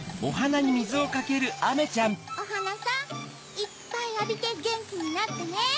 おはなさんいっぱいあびてゲンキになってね！